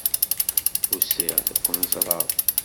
Usiɣ-d ad ken-ẓreɣ.